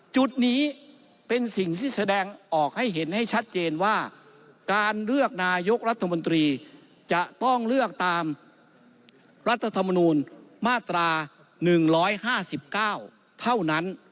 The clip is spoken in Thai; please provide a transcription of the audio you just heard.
จุดนี้เป็นสิ่งที่แสดงออกให้เห็นให้ชัดเจนว่าการเลือกนายกรัฐมนตรีจะต้องเลือกตามรัฐธรรมนูลมาตรา๑๕๙เท่านั้น